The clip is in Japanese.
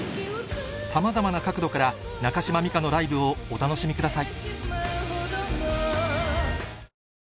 さまざまな角度から中島美嘉のライブをお楽しみください